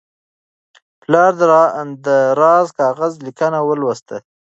پلار د زاړه کاغذ لیکنه ولوستله.